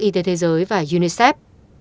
y tế thế giới và unicef